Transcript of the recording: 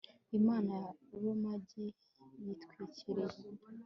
imana ya ramogi yatwikiriye